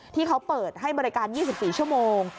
ที่เขาเปิดให้บริการ๒๔ชั่วโมง